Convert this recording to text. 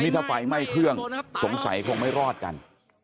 ถ้าไฟไหม้เครื่องสงสัยคงไม่รอดกัน